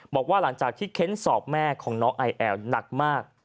บอกว่าหลังจากที่เค้นสอบแม่ของน้องไอแอลหนักมาก